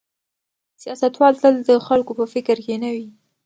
سیاستوال تل د خلکو په فکر کې نه وي.